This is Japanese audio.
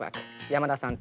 山田さん。